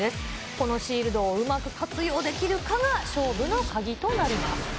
このシールドをうまく活用できるかが勝負の鍵となります。